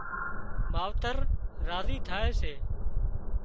ماوتر راضي ٿائي سي